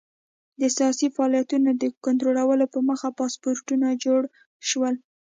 د سیاسي فعالیتونو د کنټرول په موخه پاسپورټونه جوړ شول.